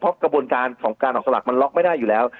เพราะกระบวนการของการออกสลักมันล็อกไม่ได้อยู่แล้ว